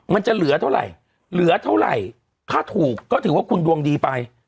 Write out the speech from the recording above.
มันจะเหลือเท่าไหร่เหลือเท่าไหร่ถ้าถูกก็ถือว่าคุณดวงดีไป